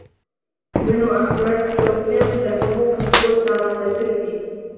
من و ئەحمەد تەوفیق لە هەموو کەس بۆت ناڕەحەتتر بووین